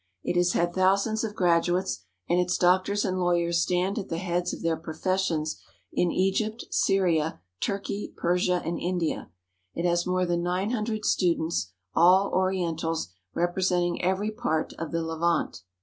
It has had thousands of graduates, and its doctors and lawyers stand at the heads of their professions in Egypt, Syria, Turkey, Persia, and India. It has more than nine hundred students, all Orientals, representing every part of the Levant.